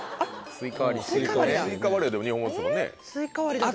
スイカ割りは日本語ですもんね。